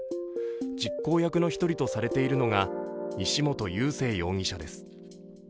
実行役の１人とされているのが西本佑聖容疑者です。